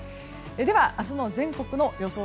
では、明日の全国の予想